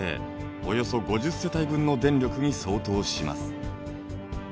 およそ５０世帯分の電力に相当します。